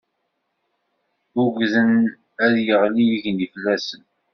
Ugden ad d-yeɣli yigenni fell-asen.